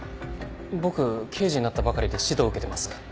僕刑事になったばかりで指導を受けてます。